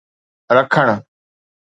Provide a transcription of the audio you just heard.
رکڻ